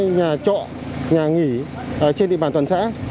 nhà trọ nhà nghỉ trên địa bàn toàn xã